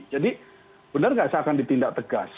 jadi benar gak sih akan ditindak tegas